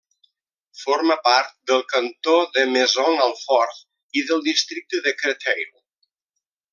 Forma part del cantó de Maisons-Alfort i del districte de Créteil.